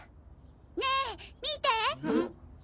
ねえ見て！